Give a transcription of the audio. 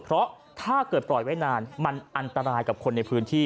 เพราะถ้าเกิดปล่อยไว้นานมันอันตรายกับคนในพื้นที่